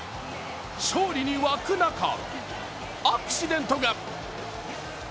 勝利に沸く中、アクシデントが。